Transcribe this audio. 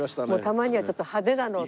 たまにはちょっと派手なのを。